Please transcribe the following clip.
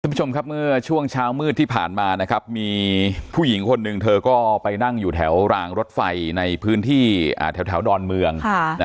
คุณผู้ชมครับเมื่อช่วงเช้ามืดที่ผ่านมานะครับมีผู้หญิงคนหนึ่งเธอก็ไปนั่งอยู่แถวรางรถไฟในพื้นที่แถวดอนเมือง